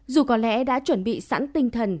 dù có lẽ đã chuẩn bị sẵn tinh thần